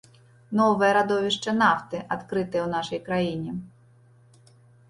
Новае радовішча нафты адкрытае ў нашай краіне.